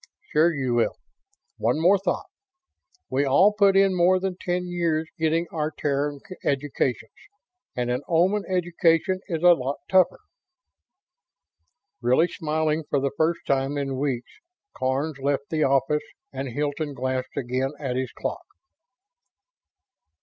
"Sure you will. One more thought. We all put in more than ten years getting our Terran educations, and an Oman education is a lot tougher." Really smiling for the first time in weeks, Karns left the office and Hilton glanced again at his clock.